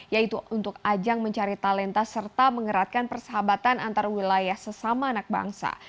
yaitu untuk ajang mencari talenta serta mengeratkan persahabatan antar wilayah sesama anak bangsa